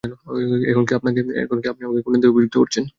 এখন কি আপনি আমাকে খুনের দায়ে অভিযুক্ত করছেন?